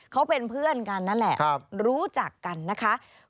เขาเป็นเพื่อนกันนั่นแหละรู้จักกันนะคะ